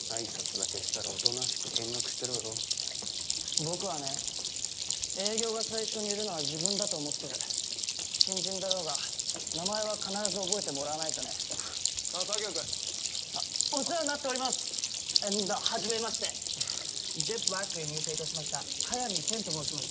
僕はね営業が最初に売るのは自分だと思ってる新人だろうが名前は必ず覚えてもらわないとねあっ佐京君お世話になっておりますアンドはじめましてジェットブラックに入社いたしました速水仙と申します